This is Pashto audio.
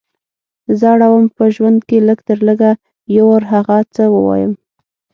زه اړه وم په ژوند کې لږ تر لږه یو وار هغه څه ووایم.